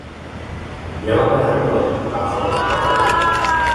Bělavé hrdlo nebývá za letu patrné.